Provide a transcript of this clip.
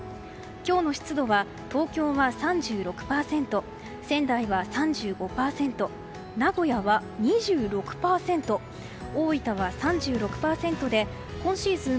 今日の湿度は東京は３６％仙台は３５％、名古屋は２６％大分は３６％で今シーズン